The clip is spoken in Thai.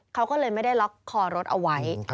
เขาก็เลยไม่ได้ล็อกคอรถเอาไว้